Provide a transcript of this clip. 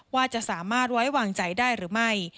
ว่าจะสามารถไว้วางใจได้หรือไม่